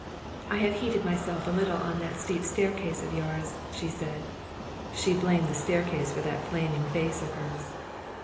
"I have heated myself a little on that steep staircase of yours," she said. She blamed the staircase for that flaming face of hers.